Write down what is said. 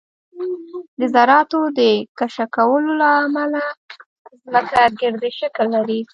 د ذراتو د کشکولو له امله ځمکه ګردی شکل لري